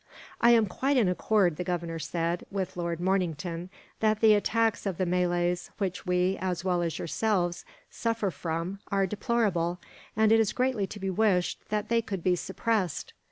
"I am quite in accord," the Governor said, "with Lord Mornington, that the attacks of the Malays which we, as well as yourselves, suffer from are deplorable; and it is greatly to be wished that they could be suppressed.